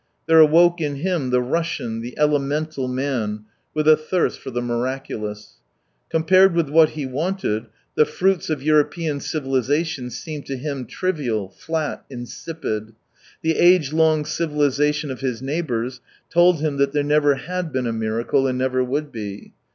There awoke in him the Russian, the elemental man, with a thirst for the miraculou s. Compared with what he wanted, the fruits of European civilisation seemed to him trivial, flat, insipid. The agelong civiHsation of his neighbours told him that there never had been a miracle, and never would be.